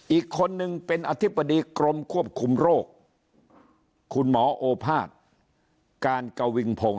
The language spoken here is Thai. อีกคนหนึ่งเป็นอธิบดีกรมควบคุมโรคคุณหมอโอพาสการเกาหวินพงษ์